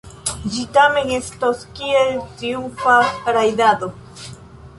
Ĝi tamen estos kiel triumfa rajdado.